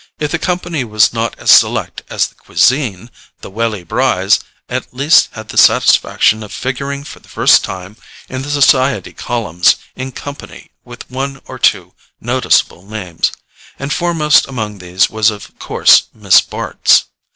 If the company was not as select as the CUISINE, the Welly Brys at least had the satisfaction of figuring for the first time in the society columns in company with one or two noticeable names; and foremost among these was of course Miss Bart's.